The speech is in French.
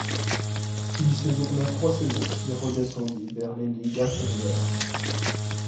Il y séjourna trois saisons puis redescendit vers les ligues inférieures.